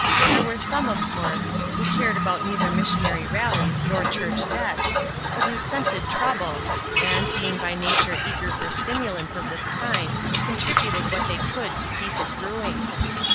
There were some, of course, who cared about neither missionary rallies nor church debts, but who scented trouble, and being by nature eager for stimulants of this kind con tributed what they could to keep it brewing.